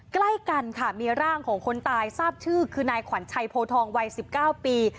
ใกล้กันค่ะมีร่างของคนตายทราบชื่อคือนายขวัญชัยโพทองวัย๑๙ปี